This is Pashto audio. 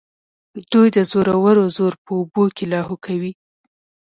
دوی د زورورو زور په اوبو کې لاهو کوي.